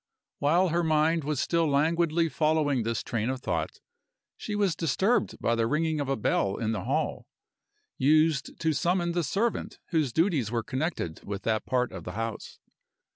While her mind was still languidly following this train of thought she was disturbed by the ringing of a bell in the hall, used to summon the servant whose duties were connected with that part of the house.